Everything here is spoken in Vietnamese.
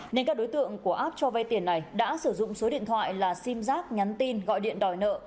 nên các đối tượng của app cho vay tiền này đã sử dụng số điện thoại là sim giác nhắn tin gọi điện đòi nợ